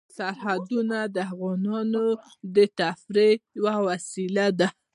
سرحدونه د افغانانو د تفریح یوه وسیله ده.